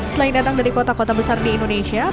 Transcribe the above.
selain datang dari kota kota besar di indonesia